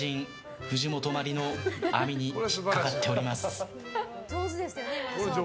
藤本万梨乃網に引っ掛かっております。